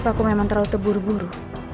apa aku memang terlalu tebur buru